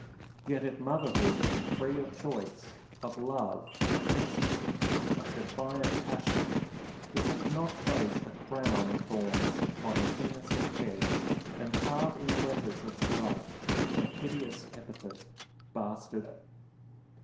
Yet, if motherhood be of free choice, of love, of ecstasy, of defiant passion, does it not place a crown of thorns upon an innocent head and carve in letters of blood the hideous epithet, Bastard?